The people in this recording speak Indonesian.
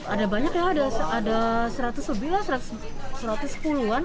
ada banyak ya